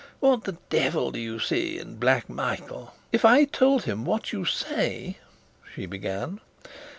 What the devil do you see in Black Michael?" "If I told him what you say " she began.